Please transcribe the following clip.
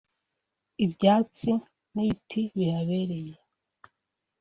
ibyatsi n’ibiti bihabereye